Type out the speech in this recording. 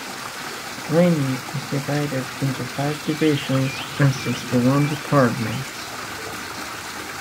Laney is divided into five divisions and sixty-one departments.